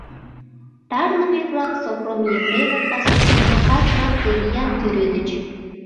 Тарлыме-влак Сопром Епремын пасуштыжо кас марте виян тӱредыч.